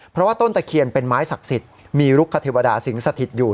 เพราะว่าต้นตะเคียนเป็นไม้ศักดิ์สิทธิ์มีลุกคเทวดาสิงสถิตอยู่